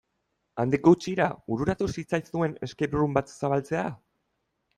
Handik gutxira bururatu zitzaizuen escape room bat zabaltzea?